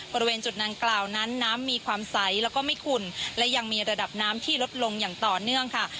บริเวณจุดดังกล่าวนั้นน้ำมีความใสแล้วก็ไม่ขุ่นและยังมีระดับน้ำที่ลดลงอย่างต่อเนื่องค่ะ